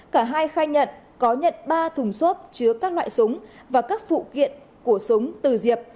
cả hai khai nhận có nhận ba thùng xốp chứa các loại súng và các phụ kiện của súng từ diệp